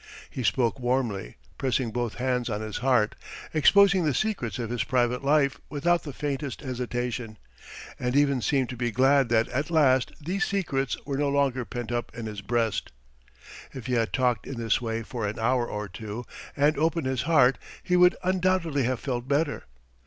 He spoke warmly, pressing both hands on his heart, exposing the secrets of his private life without the faintest hesitation, and even seemed to be glad that at last these secrets were no longer pent up in his breast. If he had talked in this way for an hour or two, and opened his heart, he would undoubtedly have felt better.